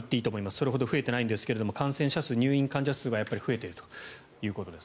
それほど増えていないんですが感染者数、入院患者数はやっぱり増えているということです。